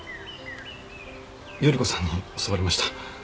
依子さんに教わりました。